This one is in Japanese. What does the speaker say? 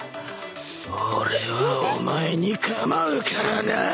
俺はお前に構うからなぁあ。